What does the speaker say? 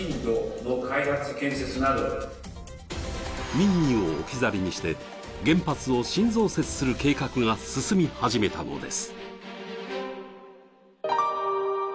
民意を置き去りにして、原発を新増設する計画が進み始めたのです。